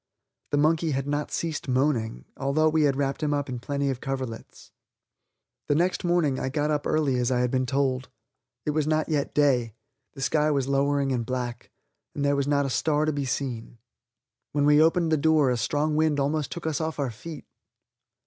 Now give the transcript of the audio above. The monkey had not ceased moaning, although we had wrapped him up in plenty of coverlets. The next morning I got up early as I had been told. It was not yet day, the sky was lowering and black, and there was not a star to be seen. When we opened the door a strong wind almost took us off our feet.